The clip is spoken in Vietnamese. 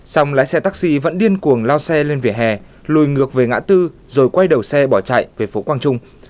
xong lái xe taxi vẫn điên cuồng lao xe lên vỉa hè lùi ngược về ngã tư rồi quay đầu xe bỏ chạy về phố quang trung